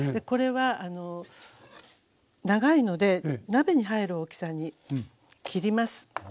これは長いので鍋に入る大きさに切ります。